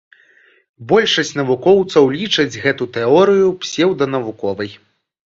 Большасць навукоўцаў лічаць гэту тэорыю псеўданавуковай.